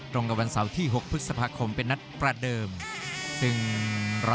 ครับผมแล้วต้องบอกว่านัดประต่อมาเลิกคลั้งนี้ครับ